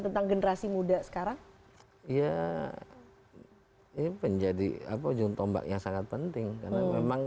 tentang generasi muda sekarang ya ini penjadi apa ujung tombak yang sangat penting karena memang